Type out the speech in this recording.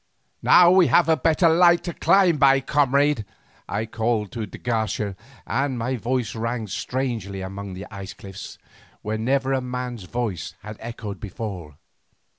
"Now we have a better light to climb by, comrade!" I called to de Garcia, and my voice rang strangely among the ice cliffs, where never a man's voice had echoed before.